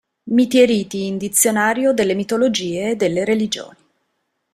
Miti e riti" in "Dizionario delle mitologie e delle religioni".